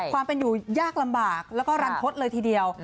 ความเป็นอยู่ยากลำบากแล้วก็รันทศเลยทีเดียว